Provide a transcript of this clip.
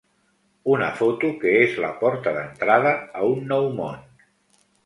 Una foto que és la porta d'entrada a un nou món.